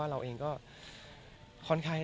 ก็มีไปคุยกับคนที่เป็นคนแต่งเพลงแนวนี้